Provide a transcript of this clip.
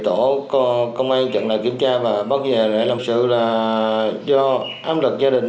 tôi không có công an chặn lại kiểm tra và bắt về để làm sự là do ám lực gia đình